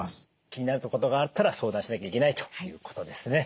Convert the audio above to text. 気になることがあったら相談しないといけないということですね。